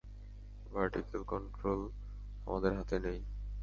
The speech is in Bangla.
ভার্টিকেল কন্ট্রোল আমাদের হাতে নেই।